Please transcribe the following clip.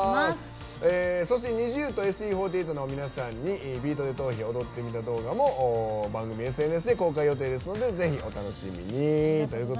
ＮｉｚｉＵとＳＴＵ４８の皆さんに「ビートＤＥトーヒ」踊ってみた動画も番組ＳＮＳで公開予定ですのでぜひ、お楽しみに。